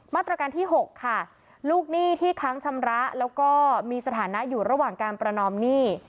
มาตรการที่๖ค่ะลูกหนี้ที่ค้างชำระแล้วก็มีสถานะอยู่ระหว่างการประนอมหนี้